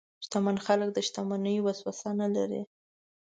شتمن خلک د شتمنۍ وسوسه نه لري.